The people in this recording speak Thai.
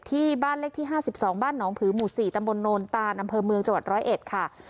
ที่บ้านเลขที่ห้าสิบสองบ้านหนองผือหมู่สี่ตำบลโนนตานำเภอเมืองจวดร้อยเอ็ดค่ะ